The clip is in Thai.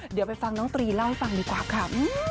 เดี๋ยวไปฟังน้องตรีเล่าให้ฟังดีกว่าค่ะ